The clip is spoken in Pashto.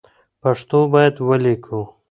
پښتو باید ولیکو